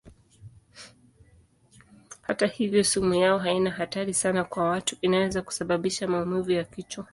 Hata hivyo sumu yao haina hatari sana kwa watu; inaweza kusababisha maumivu ya kichwa.